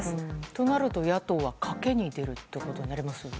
となると野党は、賭けに出るということになりますよね。